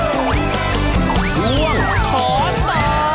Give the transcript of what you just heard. ขอตอบ